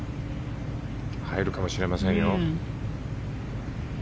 入るかもしれませんよ。